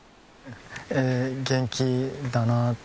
元気だなあって。